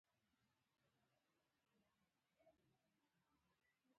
د دوي دومره اوږد پرديس او مسافرۍ شا ته څۀ مضمرات ضرور وو